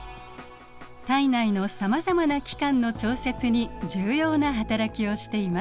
体内のさまざまな器官の調節に重要な働きをしています。